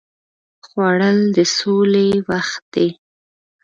خوړل د سولې وخت دی